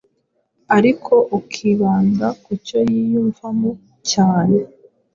ariko ukibanda ku cyo yiyumvamo cyane